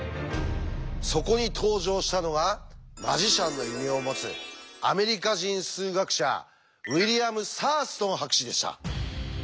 そこに登場したのが「マジシャン」の異名を持つアメリカ人数学者ウィリアム・サーストン博士でした。